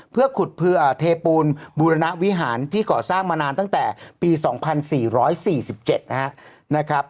เพื่อขุดเผื่อเทปูนบูรณวิหารที่ก่อสร้างมานานตั้งแต่ปี๒๔๔๗นะครับ